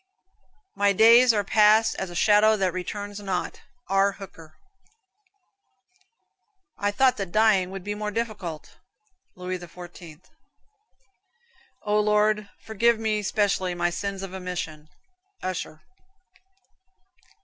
"My days are past as a shadow that returns not." R. Hooker. "I thought that dying had been more difficult," Louis XIV. "O Lord, forgive me specially my sins of omission." Usher.